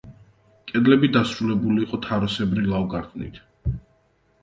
კედლები დასრულებული იყო თაროსებრი ლავგარდნით.